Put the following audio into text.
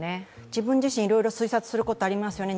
自分自身、いろいろ推察することはありますよね。